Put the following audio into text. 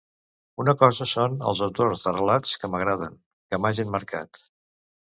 Una cosa són els autors de relats que m'agraden, que m'hagen marcat.